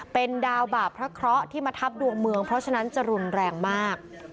เป็นดาวบาปพระเคราะห์ที่มาทับดวงเมืองเพราะฉะนั้นจะรุนแรงมาก